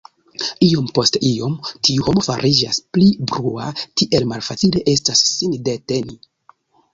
Iom post iom tiu homo fariĝas pli brua; tiel malfacile estas sin deteni!